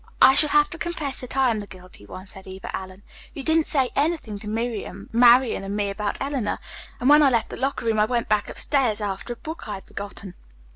"I shall have to confess that I am the guilty one," said Eva Allen. "You didn't say anything to Miriam, Marian and me about Eleanor, and when I left the locker room I went back upstairs after a book I had forgotten.